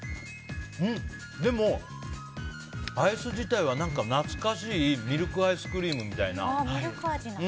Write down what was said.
でも、アイス自体は懐かしいミルクアイスクリームみたいな。